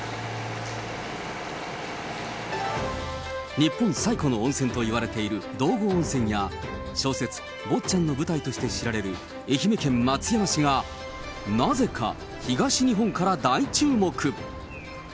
日本最古の温泉といわれている道後温泉や、小説、坊ちゃんの舞台として知られる愛媛県松山市が、なぜか東日本から大注目。